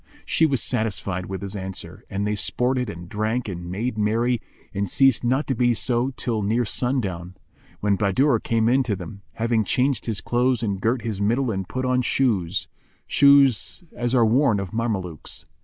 She was satisfied with his answer, and they sported and drank and made merry and ceased not to be so till near sundown, when Bahadur came in to them, having changed his clothes and girt his middle and put on shoes, such as are worn of Mamelukes.